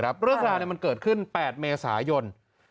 เรื่องราวมันเกิดขึ้น๘เมษายน